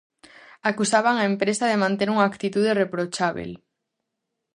Acusaban a empresa de manter unha actitude reprochábel.